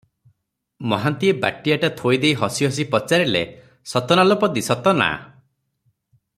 ମହାନ୍ତିଏ ବାଟିଆଟା ଥୋଇ ଦେଇ ହସି ହସି ପଚାରିଲେ, "ସତ ନା ଲୋ ପଦୀ, ସତ ନା?"